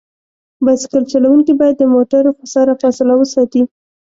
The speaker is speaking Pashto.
بایسکل چلونکي باید د موټرو سره فاصله وساتي.